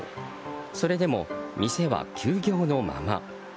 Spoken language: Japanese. それでも、店は休業のまま。